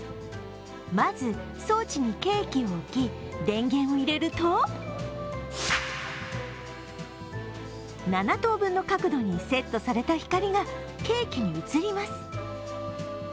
まず、装置にケーキを置き電源を入れると７等分の角度にセットされた光がケーキに映ります。